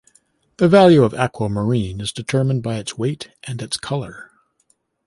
The value of aquamarine is determined by its weight and its color.